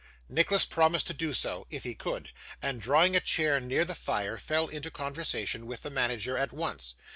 Nicholas promised to do so, if he could, and drawing a chair near the fire, fell into conversation with the manager at once.